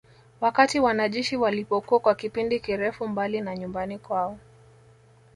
Wakati wanajeshi walipokuwa kwa kipindi kirefu mbali na nyumbani kwao